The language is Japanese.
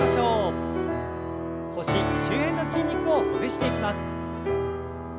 腰周辺の筋肉をほぐしていきます。